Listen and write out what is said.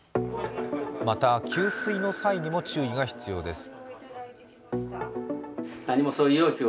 また、給水の際にも注意が必要です。